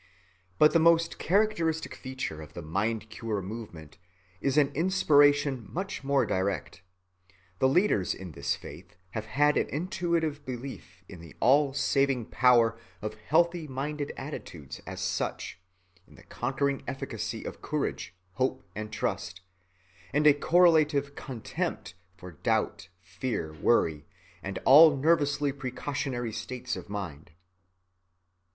But the most characteristic feature of the mind‐cure movement is an inspiration much more direct. The leaders in this faith have had an intuitive belief in the all‐saving power of healthy‐minded attitudes as such, in the conquering efficacy of courage, hope, and trust, and a correlative contempt for doubt, fear, worry, and all nervously precautionary states of mind.